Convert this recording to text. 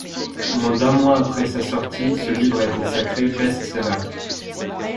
Moins d'un mois après sa sortie, ce livre a été sacré best-seller.